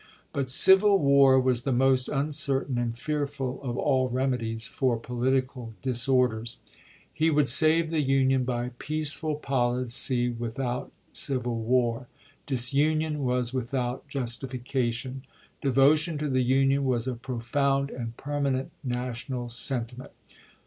But civil war was the most uncertain and fearful of all remedies for political disorders. He would save the Union by peaceful policy without civil war. Disunion was without justification. Devotion to the Union was a profound and permanent national sentiment.